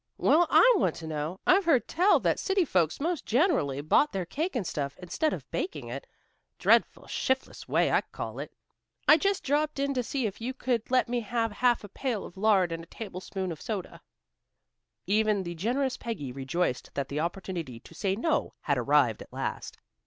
"Well, I want to know. I've heard tell that city folks most generally bought their cake and stuff, instead of baking it. Dreadful shiftless way, I call it. I just dropped in to see if you could let me have half a pail of lard and a table spoonful of soda." Even the generous Peggy rejoiced that the opportunity to say no had arrived at last.